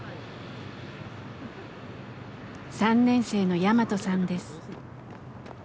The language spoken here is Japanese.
３年生のヤマトさんです。